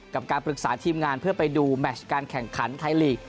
กับการปรึกษาทีมงานเพื่อไปดูแมชการแข่งขันไทยลีก